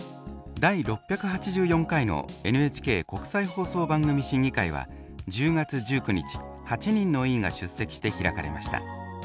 第６８４回のＮＨＫ国際放送番組審議会は１０月１９日８人の委員が出席して開かれました。